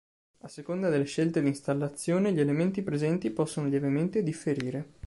A seconda delle scelte di installazione gli elementi presenti possono lievemente differire.